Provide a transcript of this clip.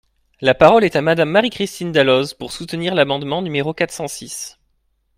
La parole est à Madame Marie-Christine Dalloz, pour soutenir l’amendement numéro quatre cent six.